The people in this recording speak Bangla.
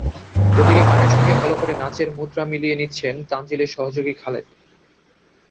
ওদিকে গানের সঙ্গে ভালো করে নাচের মুদ্রা মিলিয়ে নিচ্ছেন তানজিলের সহযোগী খালেদ।